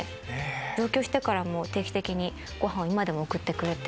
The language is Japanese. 上京してからも定期的にごはんを今でも送ってくれて。